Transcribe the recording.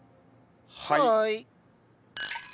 はい。